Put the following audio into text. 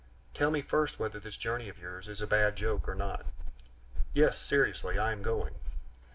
"Tell me first whether this journey of yours is a bad joke or not." "Yes, seriously, I am going."